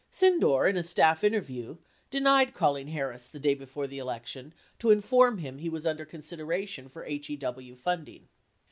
Sydnor, in a staff interview, denied calling Harris the day before the election to inform him he was under consideration for HEW fund ing.